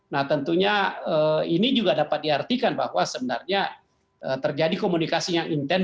nah tentunya ini juga dapat diartikan bahwa sebenarnya terjadi komunikasi yang intens